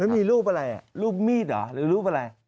แล้วมีรูปอะไรรูปมีดหรือรูปอะไร